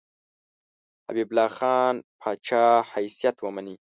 حبیب الله خان پاچا په حیث ومني.